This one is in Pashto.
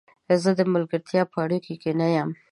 زه د ملګرتیا په اړیکو کې نه یم.